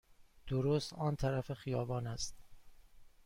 درست آن طرف خیابان است.